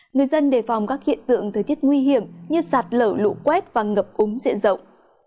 người dân đề phòng các hiện tượng thời tiết nguy hiểm như sạt lở lũ quét và ngập úng diện rộng